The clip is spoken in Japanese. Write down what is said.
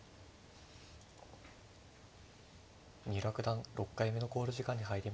三浦九段６回目の考慮時間に入りました。